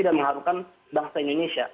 dan mengharungkan bangsa indonesia